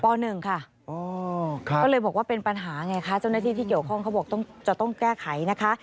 ก็เลยบอกว่าเป็นปัญหาไงคะเจ้าหน้าที่ที่เกี่ยวข้องเขาบอกจะต้องแก้ไขนะคะ